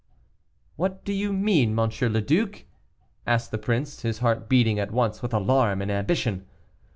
"What do you mean, M. le Duc?" asked the prince, his heart beating at once with alarm and ambition.